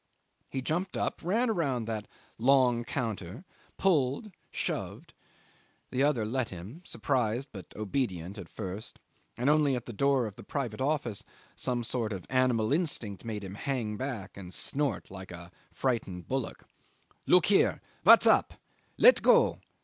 He jumped up, ran round that long counter, pulled, shoved: the other let him, surprised but obedient at first, and only at the door of the private office some sort of animal instinct made him hang back and snort like a frightened bullock. "Look here! what's up? Let go!